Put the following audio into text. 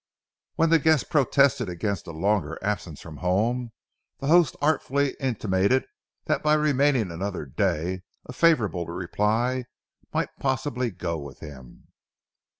When the guest protested against a longer absence from home, the host artfully intimated that by remaining another day a favorable reply might possibly go with him.